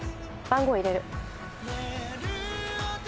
番号入れる。